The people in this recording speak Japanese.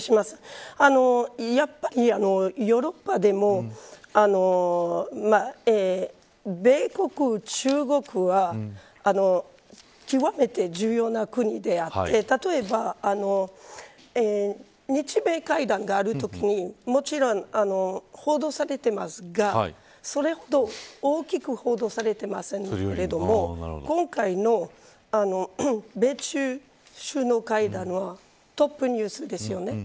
やはり、ヨーロッパでも米国、中国は極めて重要な国であって例えば日米会談があるときにもちろん、報道されてますがそれほど大きく報道されてませんけれども今回の米中首脳会談はトップニュースですよね。